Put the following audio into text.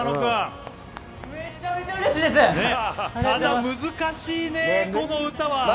ただ難しいね、この歌は。